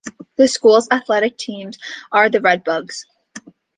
The school's athletic teams are the Redbugs.